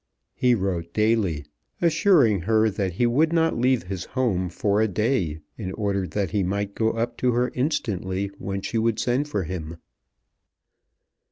He wrote daily, assuring her that he would not leave his home for a day in order that he might go to her instantly when she would send for him.